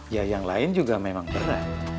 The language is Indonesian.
ya yang lain juga memang berat